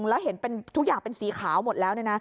และเห็นทุกอย่างเป็นสีขาวหมดแล้วนะ